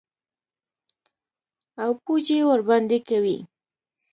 او پوجي ورباندي کوي.